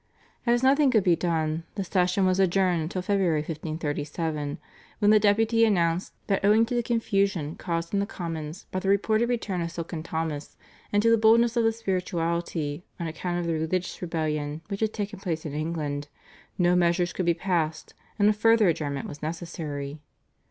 As nothing could be done, the session was adjourned till February (1537), when the Deputy announced that owing to the confusion caused in the Commons by the reported return of Silken Thomas, and to the boldness of the spirituality on account of the religious rebellion which had taken place in England, no measures could be passed, and a further adjournment was necessary.